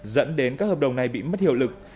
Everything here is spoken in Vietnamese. dẫn đến các hợp đồng này bị mất hiệu lực